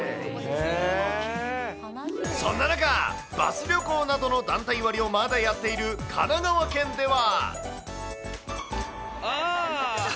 そんな中、バス旅行などの団体割をまだやっている神奈川県では。